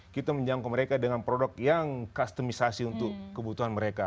kita menjangkau mereka dengan produk yang customisasi untuk kebutuhan mereka